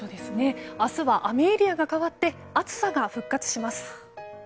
明日は雨エリアが変わって暑さが復活します。